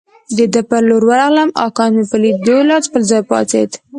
د ده پر لور ورغلم او کانت په لیدو مې له خپل ځای پاڅېد.